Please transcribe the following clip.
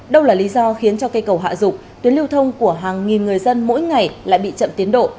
đâu là lý do khiến cho cây cầu hạ dụng tuyến lưu thông của hàng nghìn người dân mỗi ngày lại bị chậm tiến độ